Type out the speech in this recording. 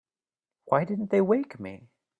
Why didn't they wake me?